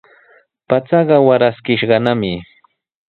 Pachaqa waraskishqanami.